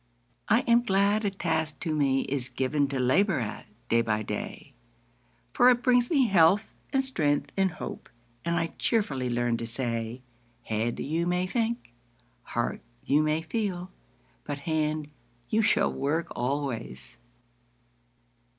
I am glad a task to me is given To labor at day by day; For it brings me health, and strength, and hope, And I cheerfully learn to say 'Head, you may think; heart, you may feel; But hand, you shall work always!'